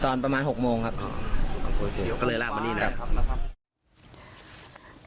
ตอนประมาณหกโมงครับก็เลยลากมานี่แหละครับนะครับ